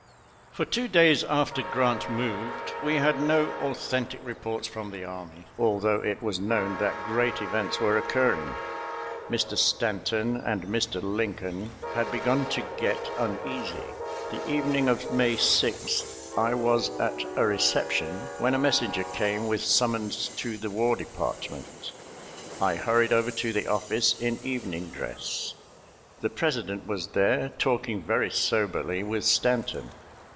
For two days after Grant moved we had no authentic reports from the army, although it was known that great events were occurring. Mr. Stanton and Mr. Lincoln had begun to get uneasy. The evening of May 6th I was at a reception when a messenger came with summons to the War Department. I hurried over to the office in evening dress. The President was there, talking very soberly with Stanton.